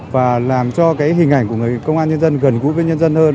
và làm cho cái hình ảnh của người công an nhân dân gần gũi với nhân dân hơn